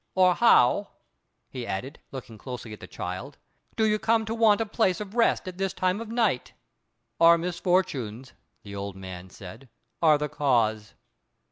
"Or how," he added, looking closely at the child, "do you come to want a place of rest at this time of night?" "Our misfortunes," the old man said, "are the cause."